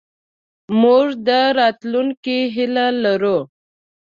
موږ د راتلونکې هیله لرو.